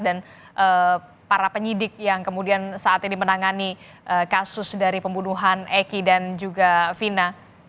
dan para penyidik yang kemudian saat ini menangani kasus dari pembunuhan eki dan juga vina